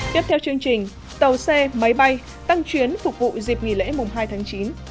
tiếp theo chương trình tàu xe máy bay tăng chuyến phục vụ dịp nghỉ lễ mùng hai tháng chín